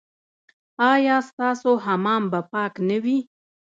ایا ستاسو حمام به پاک نه وي؟